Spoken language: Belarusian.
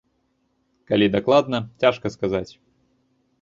Калі дакладна, цяжка сказаць.